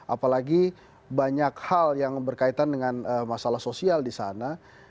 apalagi banyak hal yang berkaitan dengan masalah sosial disana